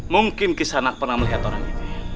mungkin kisah anak pernah melihat orang itu